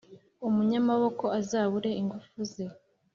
umunyamaboko azabure ingufu ze,